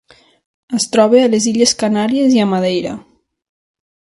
Es troba a les Illes Canàries i a Madeira.